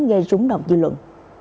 gây rúng động dư luận